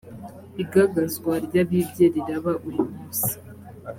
igagazwa ryabibye riraba uyumunsi.